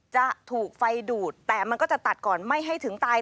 จะถูกไฟดูดแต่มันก็จะตัดก่อนไม่ให้ถึงตาย